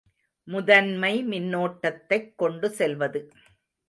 முதன்மை மின்னோட்டத்தைக் கொண்டு செல்வது.